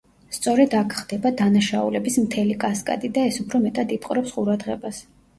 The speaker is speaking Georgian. სწორედ აქ ხდება დანაშაულების მთელი კასკადი და ეს უფრო მეტად იპყრობს ყურადღებას.